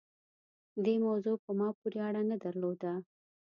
دې موضوع په ما پورې اړه نه درلوده.